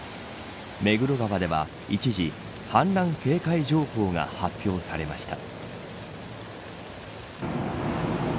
目黒川では一時氾濫警戒情報が発表されました。